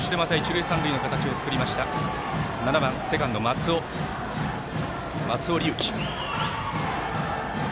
そしてまた、一塁、三塁の形を作りました、バッター７番、セカンド、松尾龍樹。